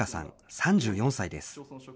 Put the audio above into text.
３４歳です。